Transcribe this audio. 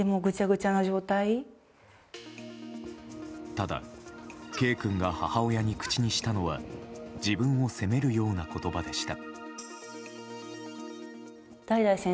ただ、Ｋ君が母親に口にしたのは自分を責めるような言葉でした。